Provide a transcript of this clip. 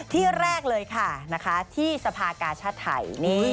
ที่แรกเลยค่ะที่สภากาชาติไทย